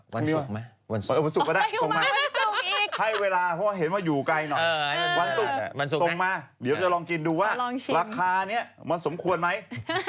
วันนี้วันศุกร์ก็ได้ส่งมาให้เวลาเพราะว่าเห็นว่าอยู่ไกลหน่อยวันศุกร์ส่งมาเดี๋ยวจะลองกินดูว่าราคานี้มันสมควรไหม